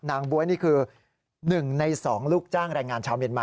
บ๊วยนี่คือ๑ใน๒ลูกจ้างแรงงานชาวเมียนมา